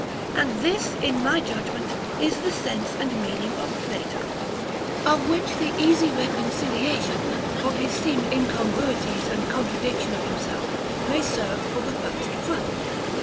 And this, in my judgment, is the sense and meaning of Plato. 8. Of which the easy reconciliation of his seeming incongruities and contradiction of himself may serve for the first proof.